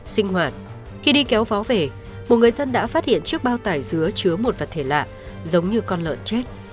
sinh hoạt khi đi kéo vó về một người dân đã phát hiện chiếc bao tải dứa chứa một vật thể lạ giống như con lợn chết